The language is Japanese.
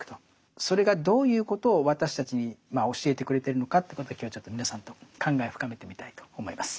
それがどういうことを私たちに教えてくれてるのかということを今日はちょっと皆さんと考えを深めてみたいと思います。